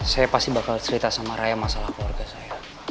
saya pasti bakal cerita sama raya masalah keluarga saya